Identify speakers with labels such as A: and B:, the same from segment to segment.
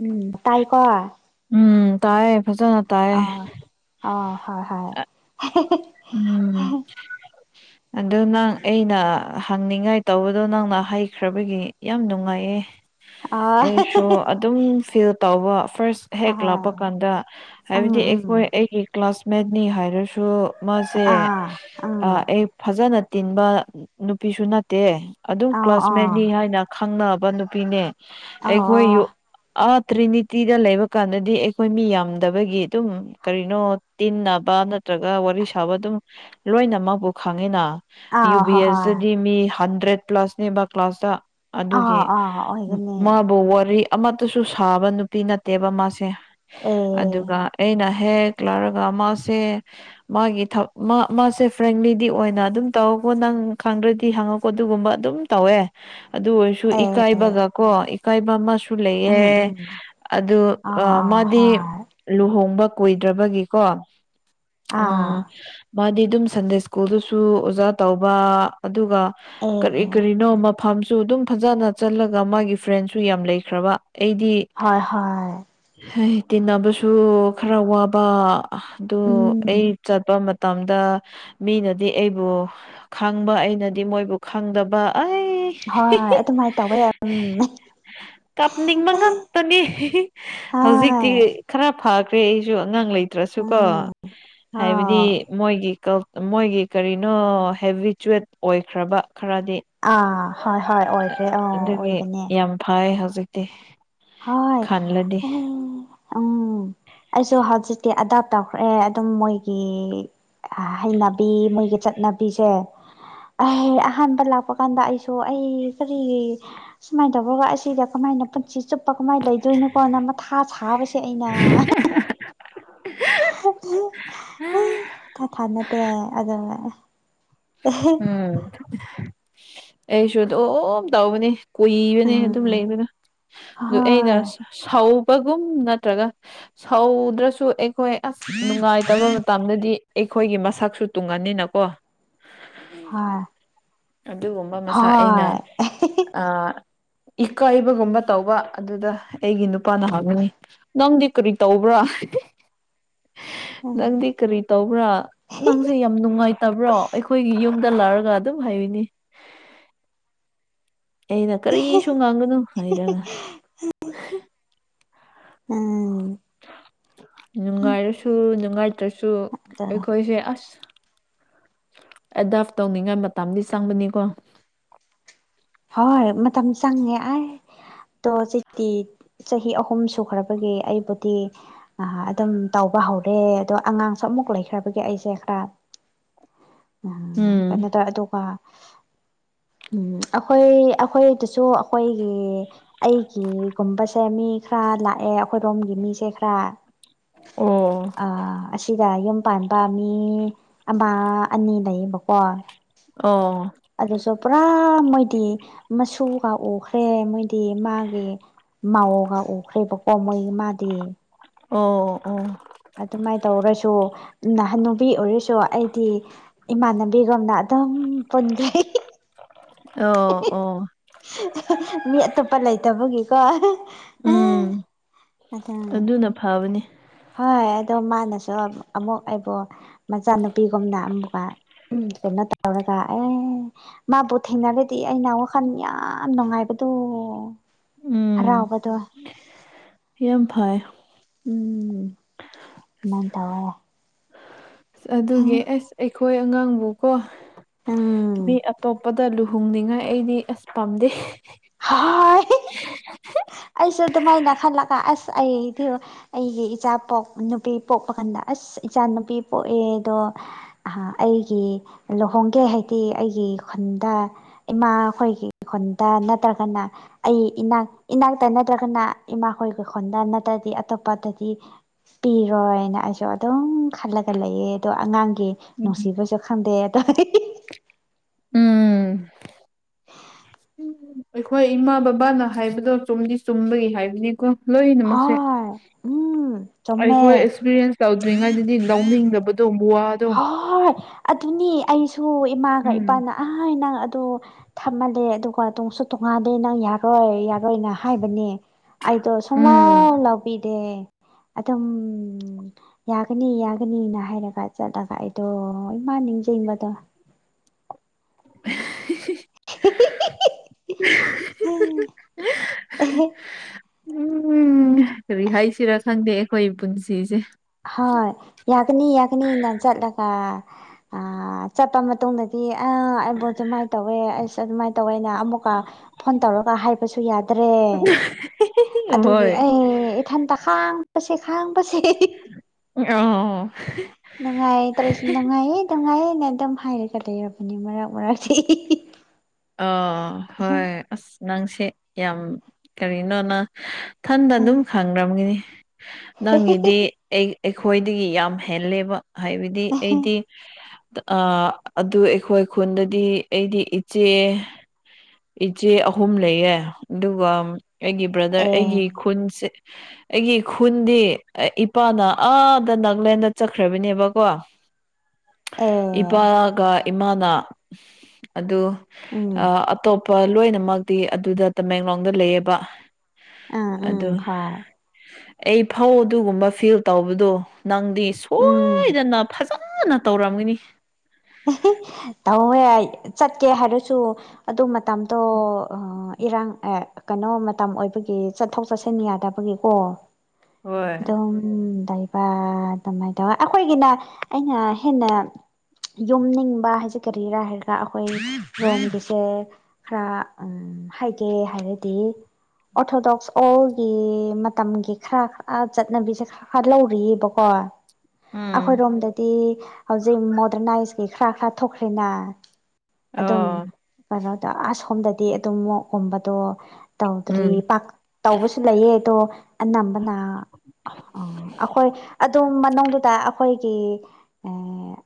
A: ꯎꯝ ꯇꯥꯏꯀꯣ
B: ꯎꯝ ꯇꯥꯏꯌꯦ ꯐꯖꯅ ꯇꯥꯏꯌꯦ
A: ꯑ ꯑꯣ ꯍ ꯍ
B: ꯑ ꯎꯝ ꯑꯗꯨ ꯅꯪ ꯑꯩꯅ ꯍꯪꯅꯤꯡꯉꯥꯏ ꯇꯧꯕꯗꯣ ꯅꯪꯅ ꯍꯩꯈ꯭ꯔꯕꯒꯤ ꯌꯥꯝ ꯅꯨꯡꯉꯥꯏꯌꯦ꯫
A: ꯑ
B: ꯑꯩꯁꯨ ꯑꯗꯨꯝ ꯐꯤꯜ ꯇꯧꯕ ꯐꯥꯔꯁ
A: ꯍ
B: ꯍꯦꯛ ꯂꯥꯄ
A: ꯍꯣꯏ
B: ꯀꯥꯟꯗ
A: ꯎꯝ
B: ꯍꯥꯏꯕꯗꯤ ꯑꯩꯈꯣꯏ
A: ꯎꯝ
B: ꯑꯩꯒꯤ ꯀ꯭ꯂꯥꯁꯃꯦꯠꯅꯤ ꯍꯥꯏꯔꯁꯨ ꯃꯁꯦ
A: ꯑꯥ
B: ꯑ
A: ꯎꯝ
B: ꯑꯩ ꯐꯖꯅ ꯇꯤꯟꯕ ꯅꯨꯄꯤꯁꯨ ꯅꯠꯇꯦ ꯑꯗꯨꯝ
A: ꯑꯥ
B: ꯀ꯭ꯂꯥꯁꯃꯦꯠꯅꯤ
A: ꯑꯥ
B: ꯍꯥꯏꯅ ꯈꯪꯅꯕ ꯅꯨꯄꯤꯅꯦ ꯑꯩꯈꯣꯏ ꯌꯨ
A: ꯑꯣ
B: ꯑꯥ ꯇ꯭ꯔꯤꯅꯤꯇꯤꯗ ꯂꯩꯕ ꯀꯥꯟꯗꯗꯤ ꯑꯩꯈꯣꯏ ꯃꯤ ꯌꯥꯝꯗꯕꯒꯤ ꯑꯗꯨꯝ ꯀꯔꯤꯅꯣ ꯇꯤꯟꯅꯕ ꯅꯠꯇ꯭ꯔꯒ ꯋꯥꯔꯤ ꯊꯕ ꯑꯗꯨꯝ ꯂꯣꯏꯅꯃꯛꯄꯨ ꯈꯪꯉꯤꯅ ꯌꯨ
A: ꯑꯥ
B: ꯕꯤ
A: ꯍꯣꯏ ꯍꯣꯏ
B: ꯑꯦꯁꯗꯗꯤ ꯃꯤ ꯍꯟꯗ꯭ꯔꯦꯠ ꯄ꯭ꯂꯥꯁꯅꯦꯕ ꯀ꯭ꯂꯥꯁꯇ
A: ꯑꯥ
B: ꯑꯗꯨꯒꯤ
A: ꯑꯥ ꯑꯣꯏꯒꯅꯤ
B: ꯃꯥꯕꯨ ꯋꯥꯔꯤ ꯑꯃꯠꯇꯁꯨ ꯁꯥꯕ ꯅꯨꯄꯤ ꯅꯠꯇꯦꯕ ꯃꯥꯁꯦ
A: ꯑꯦ
B: ꯑꯗꯨꯒ ꯑꯩꯅ ꯍꯦꯛ ꯂꯥꯛꯔꯒ ꯃꯥꯁꯦ ꯃꯥꯒꯤ ꯊꯛ ꯃꯥ ꯃꯥꯁꯦ ꯐ꯭ꯔꯦꯟꯂꯤꯗꯤ ꯑꯣꯏꯅ ꯑꯗꯨꯝ ꯇꯧꯔꯀꯣ ꯅꯪ ꯈꯪꯗ꯭ꯔꯗꯤ ꯍꯪꯉꯀꯣ ꯑꯗꯨꯒꯨꯝꯕ ꯑꯗꯨꯝ ꯇꯧꯋꯦ ꯑꯗꯨ ꯑꯣꯏꯔꯁꯨ
A: ꯑꯦ
B: ꯏꯀꯥꯏꯕꯒ ꯀꯣ ꯏꯀꯥꯏꯕ ꯑꯃꯁꯨ
A: ꯎꯝ
B: ꯁꯨꯂꯩꯌꯦ
A: ꯎꯝ
B: ꯑꯗꯨ
A: ꯑꯥ
B: ꯑ
A: ꯑꯥ
B: ꯃꯥꯗꯤ
A: ꯍꯣꯏ
B: ꯂꯨꯍꯣꯡꯕ ꯀꯨꯏꯗ꯭ꯔꯕꯒꯤꯀꯣ
A: ꯑꯥ
B: ꯎꯝ ꯃꯥꯗꯤ ꯑꯗꯨꯝ ꯁꯟꯗꯦ ꯁ꯭ꯀꯨꯜꯗꯁꯨ ꯑꯣꯖꯥ ꯇꯧꯕ ꯑꯗꯨꯒ ꯀꯔꯤ
A: ꯑꯦ
B: ꯀꯔꯤꯅꯣ ꯃꯐꯝ ꯁꯨ ꯑꯗꯨꯝ ꯐꯖꯅ ꯆꯠꯂꯒ ꯃꯥꯒꯤ ꯐ꯭ꯔꯦꯟꯁꯨ ꯌꯥꯝ ꯂꯩꯈ꯭ꯔꯕ ꯑꯩꯗꯤ
A: ꯍꯣꯏ ꯍꯣꯏ
B: ꯍꯩ ꯇꯤꯟꯅꯕꯁꯨ ꯈꯔ ꯋꯥꯕ ꯑꯗꯨ
A: ꯎꯝ
B: ꯑꯩ ꯆꯠꯄ ꯃꯇꯝꯗ ꯃꯤꯅꯗꯤ ꯑꯩꯕꯨ ꯈꯪꯕ ꯑꯩꯅꯗꯤ ꯃꯣꯏꯕꯨ ꯈꯪꯗꯕ ꯑꯩ
A: ꯍꯣꯏ ꯍꯣꯏ ꯑꯗꯨꯃꯥꯏ ꯇꯧꯋꯦ ꯎꯝ
B: ꯀꯞꯅꯤꯡꯕ ꯉꯥꯛꯇꯅꯤ
A: ꯍꯣꯏ
B: ꯍꯧꯖꯤꯛꯇꯤ ꯈꯔ ꯐꯈ꯭ꯔꯦ ꯑꯩꯁꯨ ꯑꯉꯥꯡ ꯂꯩꯇ꯭ꯔꯁꯨꯀꯣ
A: ꯎ
B: ꯍꯥꯏꯕꯗꯤ ꯃꯣꯏꯒꯤ ꯀꯜꯞ ꯃꯣꯏꯒꯤ ꯀꯔꯤꯅꯣ ꯍꯦꯕꯤꯆꯨꯋꯦꯠ ꯑꯣꯏꯈ꯭ꯔꯕ ꯈꯔꯗꯤ
A: ꯑꯥ ꯍꯣꯏ ꯍꯣꯏ ꯑꯣꯏꯈ꯭ꯔꯦ ꯑꯣ
B: ꯑꯗꯨꯒꯤ
A: ꯑꯣꯏꯕꯅꯦ
B: ꯌꯥꯝ ꯐꯩ ꯍꯧꯖꯤꯛ ꯇꯦ
A: ꯍꯣꯏ ꯑꯦ ꯎꯝ ꯑꯩꯁꯨ ꯍꯧꯖꯤꯛꯇꯤ ꯑꯦꯗꯣꯞ ꯇꯧꯈ꯭ꯔꯦ ꯑꯗꯨꯝ ꯃꯣꯏꯒꯤ ꯑ ꯍꯩꯅꯕꯤ ꯃꯣꯏꯒꯤ ꯆꯠꯅꯕꯤꯁꯦ ꯑꯩ ꯑꯍꯥꯟꯕ ꯂꯥꯛꯄ ꯀꯥꯟꯗ ꯑꯩꯁꯨ ꯑꯩ ꯀꯔꯤꯒꯤ ꯁꯨꯃꯥꯏ ꯇꯧꯕꯒ ꯑꯁꯤꯗ ꯀꯃꯥꯏꯅ ꯄꯨꯟꯁꯤ ꯆꯨꯞꯄ ꯀꯃꯥꯏ ꯂꯩꯗꯣꯏꯅꯣꯀꯣꯅ ꯃꯊꯥ ꯁꯥꯕꯁꯦ ꯑꯩꯅ ꯑꯩ ꯊꯥꯊꯥ ꯅꯠꯇꯦ ꯑꯗꯨꯉꯩ
B: ꯎꯝ ꯑꯩꯁꯨ ꯑꯗꯨꯝ ꯇꯧꯕꯅꯤ ꯀꯨꯏꯕꯅꯦ ꯑꯗꯨꯝ
A: ꯎꯝ
B: ꯂꯩꯕꯅ ꯑꯗꯨ ꯑꯩꯅ
A: ꯍꯣꯏ
B: ꯁꯁꯧ ꯄꯒꯨꯝ ꯅꯠꯇ꯭ꯔꯒ ꯁꯧꯗ꯭ꯔꯁꯨ ꯑꯩꯈꯣꯏ ꯑꯁ ꯅꯨꯡꯉꯥꯏꯇꯕ ꯇꯝꯗꯗꯤ ꯑꯩꯈꯣꯏꯒꯤ ꯃꯁꯛꯁꯨ ꯇꯨꯡꯒꯅꯤꯅꯀꯣ
A: ꯍ
B: ꯑꯗꯨꯒꯨꯝꯕ ꯃꯁꯥ ꯑꯩꯅ
A: ꯍꯣꯏ [unintelligible]
B: ꯏꯀꯥꯏꯕꯒꯨꯝꯕ ꯇꯧꯕ ꯑꯗꯨꯗ ꯑꯩꯒꯤ ꯅꯨꯄꯥꯅ ꯍꯪꯅꯤꯡꯉꯤ ꯅꯪꯗꯤ ꯀꯔꯤ ꯇꯧꯕ꯭ꯔꯥ
A: ꯎꯝ
B: ꯅꯪꯗꯤ ꯀꯔꯤ ꯇꯧꯕ꯭ꯔꯥ ꯅꯪꯁꯦ ꯌꯥꯝ ꯅꯨꯡꯉꯥꯏꯇꯕ꯭ꯔꯣ ꯑꯩꯈꯣꯏꯒꯤ ꯌꯨꯝꯗ ꯂꯥꯛꯔꯒ ꯑꯗꯨꯝ ꯍꯥꯏꯕꯅꯤ ꯑꯩꯅ ꯀꯔꯤꯁꯨ ꯉꯥꯡꯒꯅꯨ ꯍꯥꯏꯔꯒ
A: ꯎꯝ ꯅꯪ
B: ꯅꯨꯡꯉꯥꯏꯔꯁꯨ ꯅꯨꯡꯉꯥꯏꯇ꯭ꯔꯁꯨ ꯑꯩꯈꯣꯏꯁꯦ ꯑꯁ ꯑꯦꯗꯣꯞꯐ ꯇꯧꯅꯤꯡꯉꯥꯏ ꯃꯇꯝꯗꯤ ꯆꯪꯕꯅꯤꯀꯣ
A: ꯍꯣꯏ ꯃꯇꯝ ꯆꯪꯉꯦ ꯑꯥꯏ ꯑꯣ ꯆꯤ ꯆꯍꯤ ꯑꯍꯨꯝ ꯁꯨꯈ꯭ꯔꯕꯒꯤ ꯑꯩꯕꯨꯗꯤ ꯑꯗꯨꯝ ꯇꯧꯕ ꯍꯧꯔꯦ ꯑꯗꯣ ꯑꯉꯥꯡꯁꯨ ꯑꯃꯨꯛ ꯂꯩꯈ꯭ꯔꯕꯒꯤ ꯑꯩꯁꯦ ꯈꯔ
B: ꯎꯝ
A: ꯑ ꯀꯩꯅꯣ ꯇ ꯑꯗꯨꯒ ꯎꯝ ꯑꯈꯣꯏ ꯑꯈꯣꯏꯗꯁꯨ ꯑꯈꯣꯏꯒꯤ ꯑꯩꯒꯤꯒꯨꯝꯕꯁꯦ ꯃꯤ ꯈꯔ ꯂꯥꯛꯑꯦ ꯑꯩꯈꯣꯏꯔꯣꯝꯒꯤ ꯃꯤꯁꯦ ꯈꯔ
B: ꯑꯣ
A: ꯑ ꯁꯤꯗ ꯌꯨꯝ ꯄꯥꯟꯕ ꯃꯤ ꯑꯃ ꯑꯅꯤ ꯂꯩꯌꯦꯕꯀꯣ
B: ꯑꯣ
A: ꯑꯗꯨꯁꯨ ꯄꯨꯔꯥ ꯃꯣꯏꯗꯤ ꯃꯁꯨꯒ ꯎꯈ꯭ꯔꯦ ꯃꯣꯏꯗꯤ ꯃꯥꯒꯤ ꯃꯥꯎꯒ ꯎꯈ꯭ꯔꯦꯕꯀꯣ ꯃꯣꯏ ꯃꯥꯗꯤ
B: ꯑꯣ ꯑꯣ
A: ꯑꯗꯨꯃꯥꯏ ꯇꯧꯔꯁꯨ ꯅꯍꯥꯟ ꯅꯨꯨꯕꯤ ꯑꯣꯏꯔꯁꯨ ꯑꯩꯗꯤ ꯏꯃꯥꯟꯅꯕꯤꯒꯨꯝꯅ ꯑꯗꯨꯝ ꯄꯨꯟꯖꯩ
B: ꯑꯣ ꯑꯣ
A: ꯃꯤ ꯑꯇꯣꯞꯄ ꯂꯩꯇꯕꯒꯤꯀꯣ
B: ꯎꯝ
A: ꯑꯗ
B: ꯑꯗꯨꯅ ꯐꯕꯅꯤ
A: ꯍꯣꯏ ꯑꯗꯣ ꯃꯥꯅꯁꯨ ꯑꯃꯨꯛ ꯑꯩꯕꯣ ꯃꯆꯥꯅꯨꯄꯤꯒꯨꯝꯅ ꯑꯃꯨꯛꯀ ꯀꯩꯅꯣ ꯇꯧꯔꯒ ꯑꯦ ꯃꯥꯕꯨ ꯊꯦꯡꯅꯔꯗꯤ ꯑꯩꯅ ꯋꯥꯈꯜ ꯌꯥꯝ ꯅꯨꯡꯉꯥꯏꯕꯗꯣ
B: ꯎꯝ
A: ꯍꯔꯥꯎꯕꯗꯣ
B: ꯌꯥꯝ ꯐꯥꯏ꯫
A: ꯎꯝ ꯃꯥꯏꯅ ꯇꯋꯏ ꯌꯥꯦ
B: ꯑꯗꯨꯒꯤ ꯑꯁ ꯑꯩꯈꯣꯏ ꯑꯉꯥꯡꯕꯨꯀꯣ
A: ꯎꯝ
B: ꯃꯤ ꯑꯇꯣꯞꯄ ꯇ ꯂꯨꯍꯣꯡꯅꯤꯡꯉꯥꯏ ꯑꯩꯗꯤ ꯑꯁ ꯄꯥꯝꯗꯦ
A: ꯍꯣꯏ ꯑꯩꯁꯨ ꯑꯗꯨꯃꯥꯏꯅ ꯈꯜꯂꯛꯒ ꯑꯁ ꯑꯩꯗꯤ ꯑꯩꯒꯤ ꯏꯆꯥ ꯄꯣꯛ ꯅꯨꯄꯤ ꯄꯣꯛꯄ ꯀꯥꯟꯗ ꯑꯁ ꯏꯆꯥ ꯅꯨꯨꯄꯤ ꯄꯣꯛꯑꯦꯗꯣ ꯑꯩꯒꯤ ꯂꯨꯍꯣꯡꯒꯦ ꯍꯥꯏꯗꯤ ꯑꯩꯒꯤ ꯈꯨꯟꯗ ꯏꯃꯥ ꯑꯩꯈꯣꯏꯒꯤ ꯈꯨꯟꯗ ꯅꯠꯇ꯭ꯔꯒꯅ ꯑꯩ ꯏꯅꯥꯛ ꯏꯅꯥꯛꯇ ꯅꯠꯇ꯭ꯔꯒꯅ ꯏꯃꯥꯈꯣꯏꯒꯤ ꯈꯣꯟꯗ ꯅꯠꯇ꯭ꯔꯗꯤ ꯑꯇꯣꯞꯄꯗꯗꯤ ꯄꯤꯔꯣꯏꯅ ꯑꯩꯁꯨ ꯑꯗꯨꯝ ꯈꯜꯂꯒ ꯂꯩꯌꯦ ꯑꯗꯣ ꯑꯉꯥꯡꯒꯤ
B: ꯎꯝ
A: ꯅꯅꯨꯡꯁꯤꯕꯁꯨ ꯈꯥꯟꯗꯦ ꯇ
B: ꯎ ꯑꯩꯈꯣꯏ ꯏꯃꯥ ꯕꯕꯥꯅ ꯍꯥꯏꯕꯗꯣ ꯆꯨꯝꯗꯤ ꯆꯨꯝꯕꯒꯤ ꯍꯥꯏꯕꯅꯤꯀꯣ
A: ꯍ
B: ꯂꯣꯏꯅꯃꯛꯁꯦ
A: ꯎ
B: ꯑꯩꯈꯣꯏ ꯑꯦꯛꯁꯄꯤꯔꯤꯌꯦꯟꯁ ꯇꯧꯗ꯭ꯔꯤꯉꯩꯗꯗꯤ ꯂꯧꯅꯤꯡꯗꯕꯗꯣ ꯋꯥꯗꯣ
A: ꯍꯣꯏ ꯑꯗꯨꯅꯤ ꯑꯩꯁꯨ ꯏꯃꯥꯒ
B: ꯎꯝ
A: ꯏꯄꯥꯅ ꯑ ꯅꯪ ꯑꯗꯨ ꯊꯝꯃꯜꯂꯦ ꯑꯗꯨꯒ ꯇꯣꯡꯁꯨ ꯇꯣꯡꯉꯥꯟꯂꯦ ꯅꯪ ꯌꯥꯔꯣꯏ ꯌꯥꯔꯣꯏꯅ ꯍꯥꯏꯕꯅꯦ꯫ ꯑꯩꯗꯣ
B: ꯎꯝ
A: ꯁꯨꯃꯥꯡ ꯂꯕꯤ ꯗꯤ ꯑꯗꯨꯝ ꯌꯥꯒꯅꯤ ꯌꯥꯒꯅꯤꯅ ꯍꯥꯏꯔꯒ꯫ ꯆꯠꯂꯒ ꯑꯩꯗꯣ ꯏꯃꯥ ꯅꯤꯡꯖꯕꯗꯣ
B: [inaudible]
A: ꯎ
B: ꯎꯝ ꯀꯔꯤ ꯍꯥꯏꯁꯤꯔꯥ ꯈꯪꯗꯦ ꯑꯩꯈꯣꯏ ꯄꯨꯟꯁꯤꯁꯦ
A: ꯍꯣꯏ ꯌꯥꯒꯅꯤ ꯌꯥꯒꯅꯤ ꯅ ꯆꯠꯂꯒ ꯑ ꯆꯠꯄ ꯃꯇꯨꯡꯗ꯫ ꯁꯤ ꯑꯩꯕꯨꯣꯠꯁꯨ ꯑꯗꯨꯃꯥꯏꯅ ꯇꯧꯋꯦ ꯑꯩꯁꯨ ꯑꯗꯨꯃꯥꯏꯅ ꯇꯧꯋꯦꯅ ꯑꯃꯨꯛꯀ ꯐꯣꯟ ꯇꯧꯔꯒ ꯍꯥꯏꯕꯁꯨ ꯌꯥꯗ꯭ꯔꯦ ꯑꯗꯨꯒꯤ
B: ꯍꯣꯏ
A: ꯑꯩ ꯏꯊꯟꯇ ꯈꯥꯡꯕꯁꯦ ꯈꯥꯡꯕꯁꯦ꯫
B: [unintelligible]
A: ꯅꯨꯡꯉꯥꯏ ꯇꯧꯔꯁꯨ ꯅꯨꯡꯉꯥꯏꯌꯦ ꯅꯨꯡꯉꯥꯏꯌꯦꯅ ꯑꯗꯨꯝ ꯍꯥꯏꯔꯒ ꯂꯩꯔꯕꯅꯤ ꯃꯔꯛ ꯃꯔꯛꯁꯤ
B: ꯑ ꯍꯣꯏ ꯑꯁ ꯅꯪꯁꯦ ꯌꯥꯝ ꯀꯔꯤꯅꯣꯅ ꯊꯟꯗ ꯑꯗꯨꯝ ꯈꯪꯈ꯭ꯔꯝꯒꯅꯤ ꯅꯪꯒꯤꯗꯤ ꯑꯩ ꯑꯩꯈꯣꯏꯗꯒꯤ ꯌꯥꯝ ꯍꯦꯜꯂꯦꯕ ꯍꯥꯏꯕꯗꯤ ꯑꯩꯗꯤ꯫ ꯑ ꯑꯗꯨ ꯑꯩꯈꯣꯏ ꯈꯨꯟꯗꯗꯤ ꯑꯩꯗꯤ ꯏꯆꯦ ꯏꯆꯦ ꯑꯍꯨꯝ ꯂꯩꯌꯦ ꯑꯗꯨꯒ꯫ ꯑꯩꯒꯤ ꯕ꯭ꯔꯗꯔ
A: ꯑꯦ
B: ꯑꯩꯒꯤ ꯈꯨꯟꯁꯦ ꯑꯩꯒꯤ ꯈꯨꯟꯗꯤ ꯏꯄꯥꯅ ꯑꯥꯗ ꯅꯥꯒꯂꯦꯟꯗ ꯆꯠꯈ꯭ꯔꯕꯅꯦꯕꯀꯣ
A: [inaudible] ꯑꯦ
B: ꯏꯄꯥꯒ ꯏꯃꯥꯅ ꯑꯗꯨ
A: ꯎꯝ
B: ꯑꯇꯣꯞꯄ ꯂꯣꯏꯅꯃꯛꯇꯤ ꯑꯗꯨꯗ ꯇꯃꯦꯡꯂꯣꯡꯗ ꯂꯩꯌꯦꯕ꯫
A: ꯑꯥ ꯎꯝ
B: ꯑꯗꯨ
A: ꯍꯣꯏ
B: ꯑꯩ ꯐꯧ ꯑꯗꯨꯒꯨꯝꯕ ꯐꯤꯜ ꯇꯧꯕꯗꯣ ꯅꯪ꯫ ꯗꯤ
A: ꯎꯝ
B: ꯁꯣꯏꯗꯅ ꯐꯖꯅ ꯇꯧꯔꯝꯒꯅꯤ꯫
A: ꯇꯧꯋꯦ ꯆꯠꯀꯦ ꯍꯥꯏꯔꯁꯨ ꯑꯗꯨ ꯃꯇꯝꯗꯣ ꯏꯔꯥꯡ ꯑꯦ ꯀꯩꯅꯣ ꯃꯇꯝ ꯑꯣꯏꯕꯒꯤ ꯆꯠꯊꯣꯛ ꯆꯠꯁꯤꯟ ꯌꯥꯗꯕꯒꯤꯀꯣ
B: ꯍꯣꯏ
A: ꯗꯣ ꯎꯝ꯫ ꯑꯗꯨꯃꯥꯏꯅ ꯇꯧ ꯑꯩꯈꯣꯏꯒꯤꯅ ꯑꯩꯅ ꯍꯦꯟꯅ ꯌꯨꯝꯅꯤꯡꯕ ꯍꯥꯏꯁꯦ ꯀꯔꯤꯔꯥ ꯍꯥꯏꯔꯒ ꯑꯩꯈꯣꯏ ꯔꯣꯝꯒꯤꯁꯦ ꯈꯔ ꯍꯥꯏꯒꯦ ꯍꯥꯏꯔꯗꯤ꯫ ꯑꯣꯔꯊꯣꯗꯣꯛꯁ ꯑꯣꯜꯒꯤ ꯃꯇꯝꯒꯤ ꯈꯔ ꯈꯔ ꯆꯠꯅꯕꯤꯁꯦ ꯈꯔ ꯥ ꯂꯧꯔꯤꯑꯕꯀꯣ
B: ꯎꯝ
A: ꯑꯩꯈꯣꯏꯔꯣꯝꯗꯗꯤ ꯍꯧꯖꯤꯛ ꯃꯣꯗꯔꯅꯥꯏꯁꯀꯤꯩ ꯈꯔ ꯈꯔ ꯊꯣꯛꯈ꯭ꯔꯦꯅ ꯑꯗꯨꯝ
B: ꯑꯣ
A: ꯀꯩꯅꯣꯗ ꯑꯁꯣꯝꯗꯗꯤ ꯑꯗꯨꯝ ꯃꯣꯛꯀꯨꯝꯕꯗꯣ꯫ ꯇꯧꯗ꯭ꯔꯤ
B: ꯎꯝ
A: ꯄꯥꯛ ꯇꯧꯕꯁꯨ ꯂꯩꯌꯦ ꯑꯗꯣ ꯑꯅꯝꯕꯅ꯫ ꯑꯣ ꯑꯩꯈꯣꯏ ꯑꯗꯨꯝ ꯃꯅꯨꯡꯗꯨꯗ ꯑꯩꯈꯣꯏꯒꯤ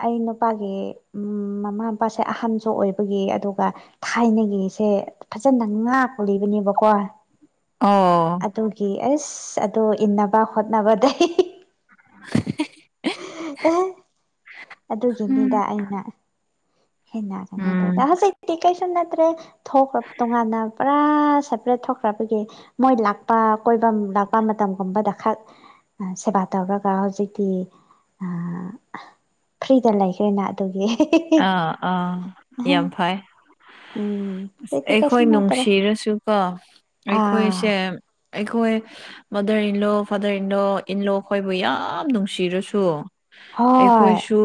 A: ꯑꯩ ꯅꯨ꯫ ꯃꯄꯥꯒꯤ ꯃꯃꯥ ꯃꯄꯥꯁꯦ ꯑꯍꯟꯁꯨ ꯑꯣꯏꯕꯒꯤ ꯑꯗꯨꯒ꯫ ꯊꯥꯏꯅꯒꯤꯁꯦ ꯐꯖꯅ ꯉꯥꯛꯀꯨ ꯂꯩꯕꯅꯦꯕꯀꯣ
B: ꯑꯣ
A: ꯑꯗꯨꯒꯤ ꯑꯩꯁ ꯑꯣ ꯏꯟꯅꯕ ꯍꯣꯠꯅꯕꯗꯩ꯫
B: [unintelligible]
A: ꯑꯦ ꯑꯗꯨꯒꯤꯅꯤꯗ
B: ꯎꯝ
A: ꯑꯩꯅ꯫ ꯍꯦꯟꯅ ꯀꯩꯅꯣ ꯇꯧꯗꯦ ꯍꯧꯖꯤꯛꯇꯤ ꯀꯩꯁꯨ ꯅꯠꯇꯔꯦ꯫ ꯊꯣꯛꯈ꯭ꯔ ꯇꯣꯉꯥꯟꯅ ꯄꯨꯔꯥ ꯁꯦꯄꯔꯦꯠ ꯊꯣꯛꯈ꯭ꯔꯕꯒꯤ ꯃꯣꯏ ꯂꯥꯛꯄ ꯀꯣꯏꯕ ꯂꯥꯛꯄ ꯃꯇꯝꯒꯨꯝꯕꯗ ꯈ ꯑ ꯁꯕꯥꯇꯥꯕꯔꯒ ꯍꯖꯤꯗꯤ ꯑ ꯐ꯭ꯔꯤꯗ ꯂꯩꯈ꯭ꯔꯦꯅ ꯑꯗꯨꯒꯤ
B: ꯑꯥ ꯑꯥ ꯌꯥꯝ ꯐꯩ
A: ꯎꯝ
B: ꯑ
A: ꯑꯗꯨꯗꯤ ꯀꯩꯁꯨ
B: ꯑꯩꯈꯣꯏ
A: ꯅꯠꯇ꯭ꯔꯦ
B: ꯅꯨꯡꯁꯤꯔꯁꯨ ꯀꯣ
A: ꯑꯥ
B: ꯑꯩꯈꯣꯏꯁꯦ ꯑꯩꯈꯣꯏ mother in-law father in-law in-law ꯑꯩꯈꯣꯏꯕꯨ ꯌꯥꯝ ꯅꯨꯡꯁꯤꯔꯁꯨ꯫
A: ꯍꯣꯏ
B: ꯑꯩꯈꯣꯏꯁꯨ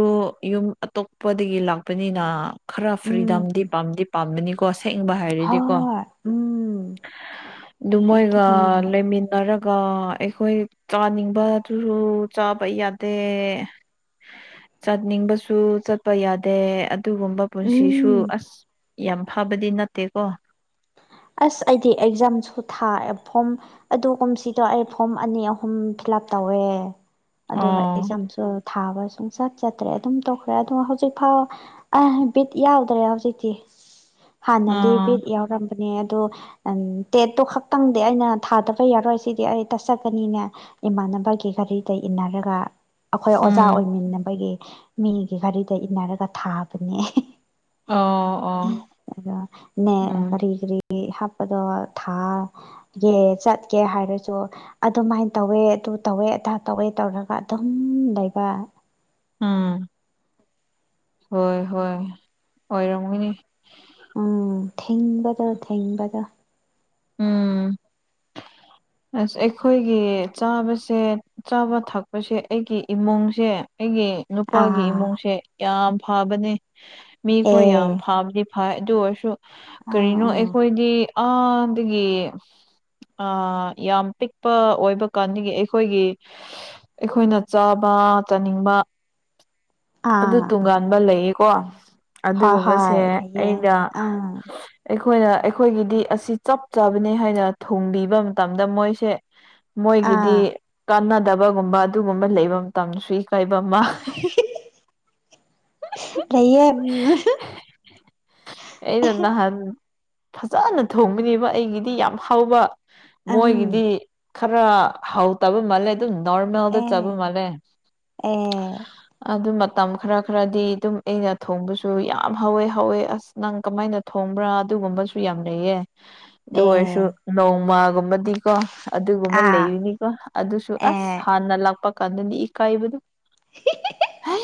B: ꯌꯨꯝ ꯑꯇꯣꯞꯄꯗꯒꯤ ꯂꯥꯛꯄꯅꯤꯅ꯫ ꯈꯔ
A: ꯎꯝ
B: ꯐ꯭ꯔꯤꯗꯝꯗꯤ ꯄꯥꯝꯗꯤ ꯄꯥꯝꯒꯅꯤꯀꯣ ꯁꯦꯡꯕ ꯍꯥꯏꯔꯗꯤꯀꯣ
A: ꯍꯣꯏ ꯎꯝ
B: ꯑꯗꯨ ꯃꯣꯏꯒ
A: ꯑꯗꯨꯅꯦ
B: ꯂꯩꯃꯤꯟꯅꯔꯒ꯫ ꯑꯩꯈꯣꯏ ꯆꯥꯅꯤꯡꯕꯗꯨꯁꯨ ꯆꯥꯕ ꯌꯥꯗꯦ ꯆꯠꯅꯤꯡꯕꯁꯨ ꯆꯠ ꯄ ꯌꯥꯗꯦ ꯑꯗꯨꯒꯨꯝꯕ ꯄꯨꯟꯁꯤꯁꯨ
A: ꯎꯝ
B: ꯑꯁ ꯌꯥꯝ ꯐꯕꯗꯤ ꯅꯠꯇꯦꯀꯣ꯫
A: ꯑꯁ ꯑꯩꯗꯤ ꯑꯦꯛꯖꯥꯝꯁꯨ ꯊꯥꯑꯦ ꯐꯣꯝ꯫ ꯑꯗꯨ ꯀꯨꯝꯁꯤꯗꯣ ꯑꯩ ꯐꯣꯝ ꯑꯅꯤ ꯑꯍꯨꯝ ꯐꯤꯜꯂꯞ ꯇꯧꯋꯦ ꯑꯗꯣ
B: ꯑꯣ
A: ꯑꯦꯛꯖꯥꯝꯁꯨ꯫ ꯊꯥꯕ ꯁꯨꯡꯆꯠ ꯆꯠꯇ꯭ꯔꯦ ꯑꯗꯨꯝ ꯇꯧꯈ꯭ꯔꯦ ꯑꯗꯣ ꯍꯧꯖꯤꯛꯐꯥꯎ꯫ ꯑ ꯕꯤꯠ ꯌꯥꯎꯗ꯭ꯔꯦ ꯍꯧꯖꯤꯛꯇꯤ ꯍꯥꯟꯅꯗꯤ
B: ꯑꯥ
A: ꯕꯤꯠ ꯌꯥꯎꯔꯝꯕꯅꯦ ꯑꯗꯣ ꯇꯦꯠꯇꯣ ꯈꯛꯇꯪꯗꯤ ꯑꯩꯅ ꯊꯥꯗꯕ ꯌꯥꯔꯣꯏ ꯁꯤꯗꯤ ꯑꯩ ꯇꯠꯆꯀꯅꯤꯅꯦ ꯏꯃꯥꯟꯅꯕꯒꯤ ꯘꯔꯤꯗ ꯏꯟꯅꯔꯒ ꯑꯩꯈꯣꯏ ꯑꯣꯖꯥ
B: ꯎꯝ
A: ꯑꯣꯏꯃꯤꯟꯅꯕꯒꯤ ꯃꯤꯒꯤ ꯘꯔꯤꯗ ꯏꯟꯅꯔꯒ ꯊꯥꯕꯅꯦ꯫
B: ꯑꯣ ꯑꯣ
A: ꯅꯦ꯫
B: ꯎꯝ
A: ꯀꯔꯤ ꯀꯔꯤ ꯍꯥꯞꯄꯗꯣ ꯊꯥꯗꯣ ꯆꯠꯀꯦ ꯍꯥꯏꯔꯁꯨ ꯑꯗꯨꯃꯥꯏꯅ ꯇꯧꯋꯦ ꯑꯗꯨ ꯇꯧꯋꯦ ꯑꯗꯥ ꯇꯧꯋꯦ ꯇꯧꯔꯒ ꯑꯗꯨꯝ ꯂꯩꯕ꯫
B: ꯎꯝ ꯍꯣꯏ ꯍꯣꯏ ꯑꯣꯏꯔꯝꯒꯅꯤ꯫
A: ꯎꯝ ꯊꯦꯡꯕꯗ ꯊꯦꯡꯕꯗ
B: ꯎꯝ꯫ ꯑꯁ ꯑꯩꯈꯣꯏꯒꯤ ꯆꯥꯕꯁꯦ꯫ ꯆꯥꯕ ꯊꯛꯄꯁꯦ ꯑꯩꯒꯤ ꯏꯃꯨꯡꯁꯦ ꯑꯩꯒꯤ꯫ ꯅꯨꯄꯥꯒꯤ
A: ꯑꯥ
B: ꯏꯃꯨꯡꯁꯦ ꯌꯥꯝ ꯐꯕꯅꯦ ꯃꯤꯈꯣꯏ
A: ꯑꯦ
B: ꯌꯥꯝ ꯐꯕꯅꯤ ꯍꯥꯏ ꯑꯗꯨ ꯑꯣꯏꯔꯁꯨ
A: ꯑꯥ
B: ꯀꯔꯤꯅꯣ
A: ꯑꯥ
B: ꯑꯩꯈꯣꯏꯗꯤ ꯑꯗꯒꯤ ꯑ ꯌꯥꯝ ꯄꯤꯛꯄ ꯑꯣꯏꯕ ꯀꯥꯟꯗꯥꯒꯤ ꯑꯩꯈꯣꯏꯒꯤ ꯑꯩꯈꯣꯏꯅ ꯆꯥꯕ ꯆꯥꯅꯤꯡꯕ꯫ ꯑꯗꯨ
A: ꯑꯥ
B: ꯇꯣꯉꯥꯟꯕ ꯂꯩꯌꯦꯀꯣ
A: ꯍꯣꯏ
B: ꯑꯗꯨꯒꯨꯝꯕꯁꯦ
A: ꯍꯣꯏ ꯂꯩꯌꯦ
B: ꯑꯩꯅ꯫
A: ꯑꯥ
B: ꯑꯩꯈꯣꯏꯅ ꯑꯩꯈꯣꯏꯒꯤꯗꯤ ꯑꯁꯤ ꯆꯞ ꯆꯥꯕꯅꯤ ꯍꯥꯏꯅ ꯊꯣꯡꯕꯤꯕ ꯃꯇꯝꯗ ꯃꯣꯏꯁꯦ꯫ ꯃꯣꯏꯒꯤꯗꯤ
A: ꯑꯥ
B: ꯀꯥꯟꯅꯗꯕꯒꯨꯝꯕ ꯑꯗꯨꯒꯨꯝꯕ ꯂꯩꯕ ꯃꯇꯝꯁꯨꯏ [unintelligible]
A: ꯂꯩꯌꯦ ꯎꯝ꯫
B: ꯑꯩꯅ ꯅꯍꯥꯟ ꯐꯖꯅ ꯊꯣꯡꯕꯅꯦꯕ ꯑꯩꯒꯤꯗꯤ ꯌꯥꯝ ꯍꯥꯎꯕ꯫ ꯃꯣꯏꯒꯤꯗꯤ
A: ꯎꯝ
B: ꯈꯔ ꯍꯥꯎꯇꯕ ꯃꯥꯜꯂꯦ ꯑꯗꯨ ꯅꯣꯔꯃꯦꯜꯗ
A: ꯑꯦ
B: ꯆꯥꯕ ꯃꯥꯜꯂꯦ꯫
A: ꯑꯦ
B: ꯑꯗꯨ ꯃꯇꯝ ꯈꯔ ꯈꯔꯗꯤ ꯑꯗꯨꯝ ꯑꯩꯅ ꯊꯣꯡꯕꯁꯨ ꯌꯥꯝ ꯍꯧꯋꯦ ꯍꯧꯋꯦ ꯑꯁ ꯅꯪ ꯀꯃꯥꯏꯅ ꯊꯣꯝꯕ꯭ꯔꯥ ꯑꯗꯨꯒꯨꯝꯕꯁꯨ ꯌꯥꯝ ꯂꯩꯌꯦ꯫
A: [inaudible]
B: ꯑꯗꯨ ꯑꯣꯏꯔꯁꯨ ꯅꯣꯡꯃ꯫ ꯨꯑꯗꯨꯒꯨꯝꯕꯗꯤꯀꯣ ꯑꯗꯨꯒꯨꯝꯕ
A: ꯑꯥ
B: ꯂꯩꯔꯤꯅꯤꯀꯣ ꯑꯗꯨꯁꯨ ꯑꯁ
A: ꯑꯦ
B: ꯍꯥꯟꯅ ꯂꯥꯛꯄ ꯀꯥꯟꯗꯅꯤ ꯏꯀꯥꯏꯕꯗꯨ ꯍꯦ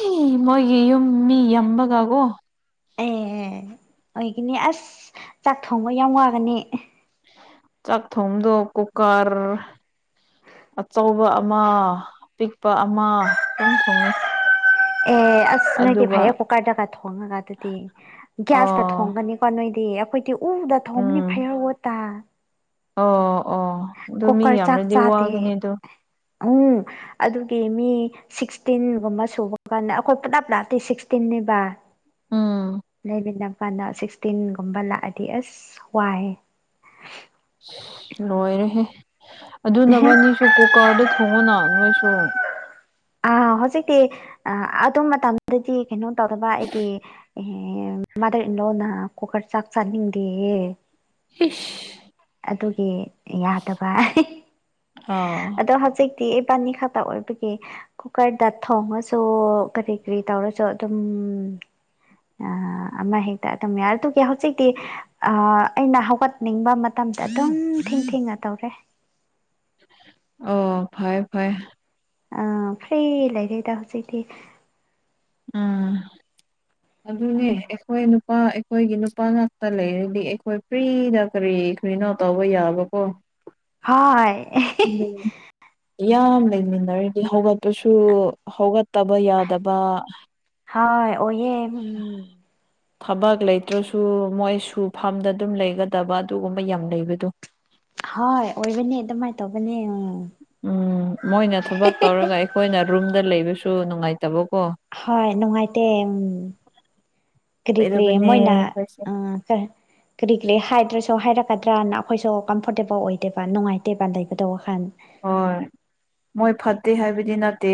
B: ꯃꯣꯏꯒꯤ ꯌꯨꯝ ꯃꯤ ꯌꯝꯕꯒꯀꯣ꯫
A: ꯑꯦ ꯑꯣꯏꯒꯅꯤ ꯑꯁ ꯆꯥꯛ ꯊꯣꯡꯕ ꯌꯥꯝ ꯋꯥꯒꯅꯤ
B: ꯆꯥꯛ ꯊꯣꯡꯗꯣ ꯀꯨꯀꯔ ꯑꯆꯧꯕ ꯑꯃ ꯑꯄꯤꯛꯄ ꯑꯃ ꯑꯗꯨꯝ ꯊꯣꯡꯉꯤ꯫
A: ꯑꯦ ꯑꯁ ꯅꯣꯏꯒꯤ
B: ꯑꯗꯨꯒ
A: ꯐꯥꯏꯌꯔ ꯀꯨꯀꯔꯗꯒ ꯊꯣꯡꯉꯒ ꯑꯗꯨꯗꯤ ꯒ꯭ꯌꯥꯁꯇ
B: ꯑꯥ
A: ꯊꯣꯡꯒꯅꯤ꯫ ꯀꯣ ꯅꯣꯏꯗꯤ ꯑꯩꯈꯣꯏꯗꯤ ꯎꯗ ꯊꯣꯝꯅꯤ
B: ꯎꯝ
A: ꯐꯥꯏꯌꯔꯋꯣꯇ꯫
B: ꯑꯣ ꯑꯣ ꯑꯗꯨ ꯃꯤ
A: ꯀꯨꯀꯔ ꯆꯥꯛ
B: ꯌꯥꯝꯅꯗꯤ ꯋꯥꯒꯅꯤ
A: ꯆꯥꯗꯦ
B: ꯑꯗꯣ꯫
A: ꯎꯝ ꯑꯗꯨꯒꯤ ꯃꯤ ꯁꯤꯛꯁꯇꯤꯟꯒꯨꯝꯕ ꯁꯨꯕ ꯀꯥꯟꯗ ꯑꯩꯈꯣꯏ ꯄꯨꯂꯞ ꯂꯥꯛꯇꯣꯏꯁꯤ ꯁꯤꯛꯁꯇꯤꯟꯅꯤꯕ꯫
B: ꯎꯝ꯫
A: ꯂꯩꯃꯤꯟꯄꯅ ꯁꯤꯛꯁꯇꯤꯟꯒꯨꯝꯕ ꯂꯥꯛꯑꯗꯤ ꯑꯁ ꯋꯥꯏꯑꯦ꯫
B: ꯂꯣꯏꯔꯍꯦ ꯑꯗꯨꯅꯕ ꯑꯅꯤꯁꯨ ꯀꯨꯀꯔꯗ ꯊꯣꯡꯉꯣꯅ ꯅꯣꯏꯁꯨ
A: ꯑ ꯍꯧꯖꯤꯛꯇꯤ ꯑꯗꯨ ꯃꯇꯝꯗꯗꯤ ꯀꯩꯅꯣ ꯇꯧꯔꯕ ꯑꯩꯒꯤ ꯑꯦ ꯃꯗꯨꯔ ꯂꯣꯅ ꯀꯨꯀꯔ ꯆꯥꯛ ꯆꯥꯅꯤꯡꯗꯤ
B: ꯏꯁꯤꯁ
A: ꯑꯗꯨꯒꯤ ꯌꯥꯗꯕ
B: ꯑꯥ
A: ꯑꯗꯣ ꯍꯧꯖꯤꯛ ꯗꯤ ꯑꯩ ꯄꯅꯤ ꯈꯛ ꯑꯣꯏꯕꯒꯤ ꯀꯨꯀꯔꯗ ꯊꯣꯡꯉꯁꯨ ꯀꯔꯤ ꯀꯔꯤ ꯇꯧꯔꯁꯨ ꯑꯗꯨꯝ ꯑ ꯑꯃ ꯍꯦꯛꯇ ꯑꯗꯨꯝꯌꯥꯏ ꯑꯗꯨꯒꯤ ꯍꯧꯖꯤꯛꯇꯤ ꯑꯩꯅ ꯍꯧꯒꯠꯅꯤꯡꯕ ꯃꯥ ꯇꯝꯗ ꯑꯗꯨꯝ ꯊꯦꯡ ꯊꯦꯡꯅ ꯇꯧꯔꯦ꯫
B: ꯑꯣ ꯐꯩ ꯐꯩ꯫
A: ꯑꯥ ꯐ꯭ꯔꯤ ꯂꯩꯔꯦꯗ ꯍꯧꯖꯤꯇꯤ꯫
B: ꯎꯝ
A: [inaudible]
B: ꯑꯗꯨꯅꯦ ꯑꯈꯣꯏ ꯅꯨꯄꯥ ꯑꯈꯣꯏꯒꯤ ꯅꯨꯄꯥ ꯉꯥꯛꯇ ꯂꯩꯔꯗꯤ ꯑꯈꯣꯏ ꯐ꯭ꯔꯤꯗ ꯀꯔꯤ꯫ ꯁꯨꯣꯏꯏꯅꯣ ꯇꯧꯕ ꯌꯥꯕꯀꯣ
A: ꯍ
B: ꯎꯝ ꯌꯥꯝ ꯂꯩꯃꯤꯟꯅꯔꯤꯗꯤ ꯍꯧꯒꯠꯄꯁꯨ ꯍꯧꯒꯠꯇꯕ ꯌꯥꯗꯕ꯫
A: ꯍ ꯑꯣꯏꯏꯦ ꯎꯝ
B: ꯊꯕꯛ ꯂꯩꯇ꯭ꯔꯁꯨ ꯃꯣꯏ ꯁꯨ ꯐꯥꯝꯗ ꯑꯗꯨꯝ ꯂꯩꯒꯗꯕ ꯑꯗꯨꯒꯨꯝꯕ ꯌꯥꯝ ꯂꯩꯕꯗꯣ
A: ꯍꯣꯏ ꯑꯣꯏꯕꯅꯦ ꯑꯗꯨꯃꯥꯏꯅ ꯇꯧꯕꯅꯦ ꯎꯝ꯫
B: ꯎꯝ ꯃꯣꯏꯅ ꯊꯕꯛ ꯇꯧꯔꯒ ꯑꯩꯈꯣꯏꯅ ꯔꯨꯝꯗ ꯂꯩꯕꯁꯨ ꯅꯨꯡꯉꯥꯏꯇꯕꯀꯣ
A: ꯍꯣꯏ ꯅꯨꯡꯉꯥꯏꯇ ꯀꯔꯤ ꯀꯔꯤ
B: ꯑꯣꯏꯔꯕꯅꯦ
A: ꯃꯣꯏꯅ
B: ꯑꯩꯈꯣꯏꯁꯦ
A: ꯑ ꯀꯔꯤ ꯀꯔꯤ ꯍꯥꯏꯗ꯭ꯔꯁꯨ ꯍꯥꯏꯔꯛꯀꯗ꯭ꯔꯅ ꯑꯈꯣꯏꯁꯨ ꯀꯝꯐꯣꯔꯇꯦꯕꯜ ꯑꯣꯏꯗꯦꯕ ꯅꯨꯡꯉꯥꯏꯇꯦꯕ ꯂꯩꯕꯗꫭ ꯋꯥꯈꯟ꯫
B: ꯍꯣꯏ ꯃꯣꯏ ꯐꯠꯇꯦ ꯍꯥꯏꯕꯗꯤ ꯅꯠꯇꯦ